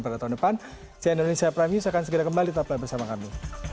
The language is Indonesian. pada tahun depan saya indonesia prime news akan segera kembali telfon bersama kamu